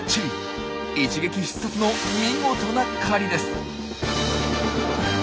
一撃必殺の見事な狩りです。